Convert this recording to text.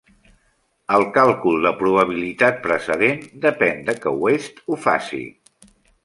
El càlcul de probabilitat precedent depèn de que Oest ho faci.